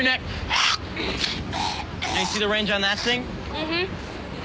うん。